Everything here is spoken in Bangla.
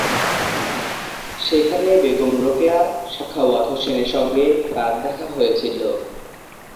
সেখানে বেগম রোকেয়া সাখাওয়াত হোসেনের সঙ্গে তার দেখা হয়েছিলো।